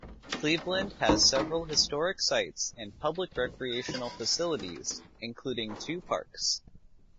Cleveland has several historic sites and public recreational facilities, including two parks.